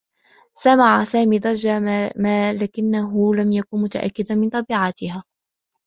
سمع سامي ضجّة ما لكنّه لم يكن متأكّدا من طبيعتها.